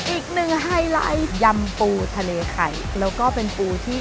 ไฮไลท์ยำปูทะเลไข่แล้วก็เป็นปูที่